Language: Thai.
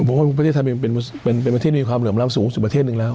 ผมว่าประเทศไทยเป็นประเทศมีความเหลื่อมล้ำสูงสุดประเทศหนึ่งแล้ว